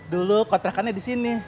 dulu kontrakannya disini